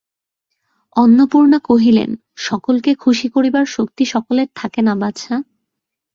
অন্নপূর্ণা কহিলেন, সকলকে খুশি করিবার শক্তি সকলের থাকে না, বাছা।